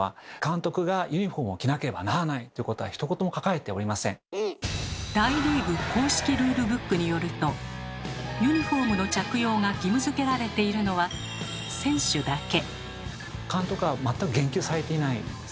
それで申しますと大リーグ公式ルールブックによるとユニフォームの着用が義務づけられているのは選手だけ。